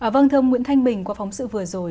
vâng thưa ông nguyễn thanh bình qua phóng sự vừa rồi